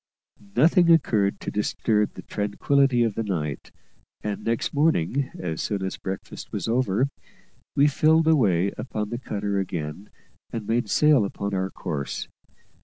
Nothing occurred to disturb the tranquillity of the night; and next morning, as soon as breakfast was over, we filled away upon the cutter again and made sail upon our course.